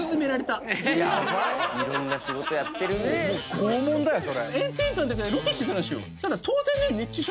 「拷問だよそれ」